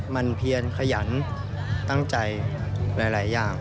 มันเพียนขยันตั้งใจหลายอย่าง